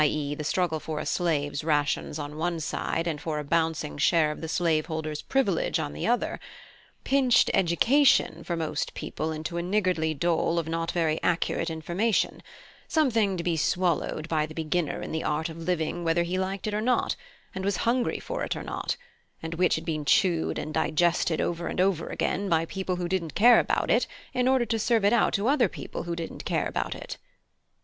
e._, the struggle for a slave's rations on one side, and for a bouncing share of the slave holders' privilege on the other), pinched 'education' for most people into a niggardly dole of not very accurate information; something to be swallowed by the beginner in the art of living whether he liked it or not, and was hungry for it or not: and which had been chewed and digested over and over again by people who didn't care about it in order to serve it out to other people who didn't care about it."